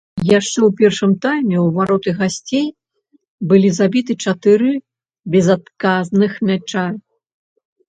Яшчэ ў першым тайме ў вароты гасцей былі забіты чатыры безадказных мяча.